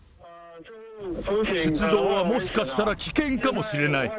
出動はもしかしたら危険かもしれない。